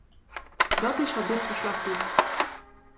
Dat is wat dit verslag doet.